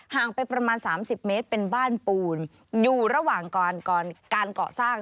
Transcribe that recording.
ห่างไปประมาณ๓๐เมตรเป็นบ้านปูนอยู่ระหว่างก่อนการเกาะสร้าง